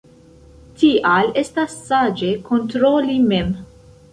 Tial estas saĝe kontroli mem.